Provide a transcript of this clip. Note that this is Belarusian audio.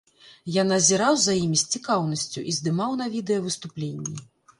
Я назіраў за імі з цікаўнасцю і здымаў на відэа выступленні.